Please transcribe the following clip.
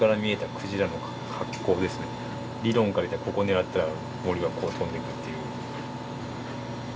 理論から言ったらここ狙ったら銛がこう飛んでいくっていう。